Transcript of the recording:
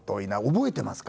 覚えてますか？